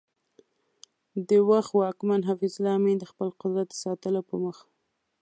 د وخت واکمن حفیظ الله امین د خپل قدرت د ساتلو په موخه